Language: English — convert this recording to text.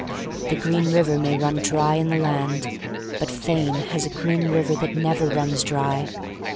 The green river may run dry in the land. But Fame has a green river that never runs dry.